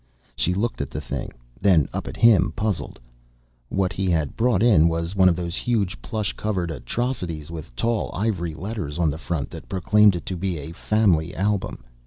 She looked at the thing, then up at him, puzzled. What he had brought in was one of those huge, plush covered atrocities with tall ivory letters on the front that proclaimed it to be a Family Album.